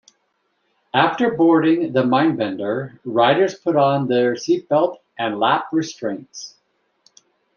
After boarding the Mindbender, riders put on their seatbelt and lap restraints.